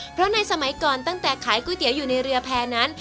เพราะในสมัยก่อนตั้งแต่ขายก๋วยเตี๋ยวอยู่ในเรือแพร่นั้น